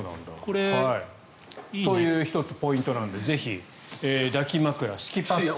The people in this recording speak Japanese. これ、いいね。という１つ、ポイントなのでぜひ、抱き枕、敷きパッド。